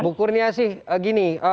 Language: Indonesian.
bukurnia sih gini